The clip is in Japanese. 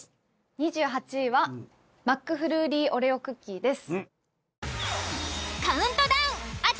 ２８位はマックフルーリーオレオクッキーです。